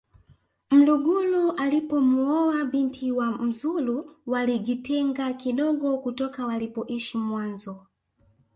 mlugulu alipomuoa binti wa mzulu waligitenga kidogo kutoka walipoishi mwanzo